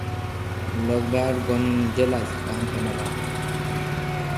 لوک بار گھن ام جولال تہ کان پا نہ دان۔